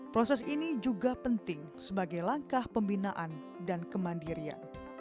proses ini juga penting sebagai langkah pembinaan dan kemandirian